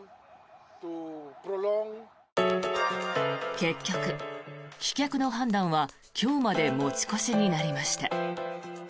結局、棄却の判断は今日まで持ち越しになりました。